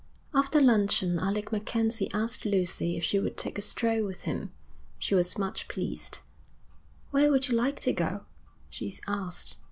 After luncheon Alec MacKenzie asked Lucy if she would take a stroll with him. She was much pleased. 'Where would you like to go?' she asked.